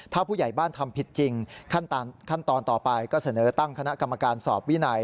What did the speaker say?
ถ้าผู้ใหญ่บ้านทำผิดจริงขั้นตอนต่อไปก็เสนอตั้งคณะกรรมการสอบวินัย